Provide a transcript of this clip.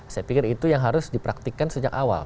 saya pikir itu yang harus dipraktikkan sejak awal